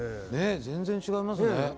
全然違いますね。